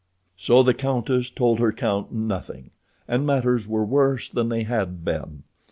So the countess told her count nothing, and matters were worse than they had been.